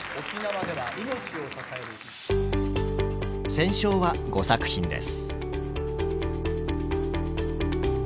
選奨は５作品です。